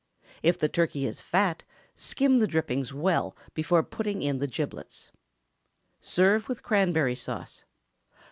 If the turkey is fat, skim the drippings well before putting in the giblets. Serve with cranberry sauce.